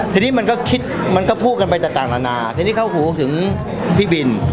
ทีนี้มันก็คิดมันก็พูดกันไปต่างนานาทีนี้เข้าหูถึงพี่บิน